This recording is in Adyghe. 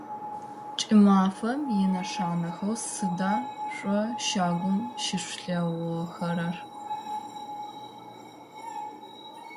Кӏымафэм инэшанэхэу сыда шъо щагум щышъулъэгъухэрэр?